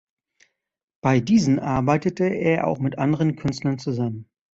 Bei diesen arbeitete er auch mit anderen Künstlern zusammen.